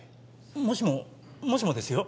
もしももしもですよ